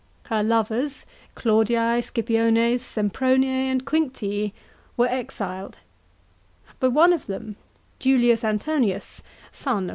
Her lovers — Claudii, Scipiones, Sempronii, and Quinctii — were exiled ; but one of them Julius Antonius (son of M.